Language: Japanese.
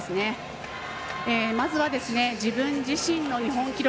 まずは自分自身の日本記録